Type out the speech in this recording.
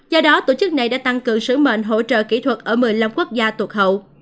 do đó tổ chức này đã tăng cường sứ mệnh hỗ trợ kỹ thuật ở một mươi năm quốc gia tụt hậu